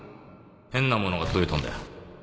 変なものが届いたんだよ